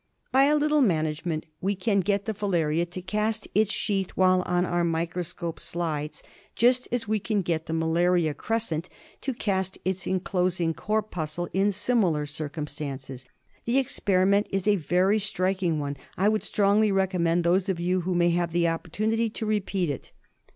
By a little management we can get the filaria to cast its sheath while on our microscope slides, just as we can get the malarial crescent to cast its enclosing corpuscle in similar circumstances. The experiment is a very striking one. I would strongly recommend those of you who may have the opportunity to repeat it.